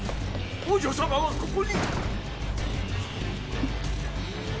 王女様はここに！